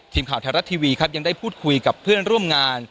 ทีมข่าวไทยรัฐทีวีครับยังได้พูดคุยกับเพื่อนร่วมงาน